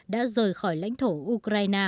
đã rời khỏi lãnh thổ ukraine